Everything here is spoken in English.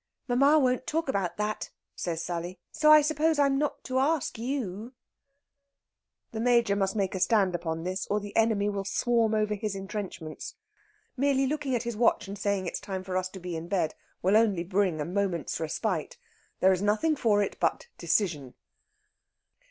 "Mamma won't talk about that," says Sally, "so I suppose I'm not to ask you." The Major must make a stand upon this, or the enemy will swarm over his entrenchments. Merely looking at his watch and saying it's time for us to be in bed will only bring a moment's respite. There is nothing for it but decision.